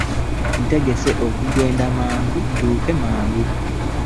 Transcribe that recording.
Ntegese kugenda mangu ntuuke mangu.